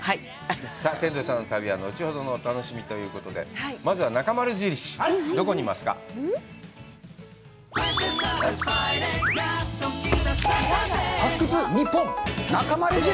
さあ、天童さんの旅は後ほどのお楽しみということで、まずはなかまる印。